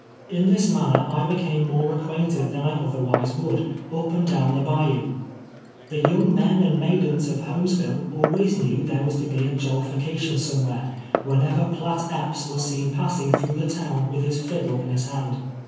In this manner I became more acquainted than I otherwise would, np and down the bayou. The young men and maidens of Ilolmes ville always knew tliei e was to be a jollification some wliere, whenever Blatt K|)ps was seen passing through the town Avith his fiddle in his hand.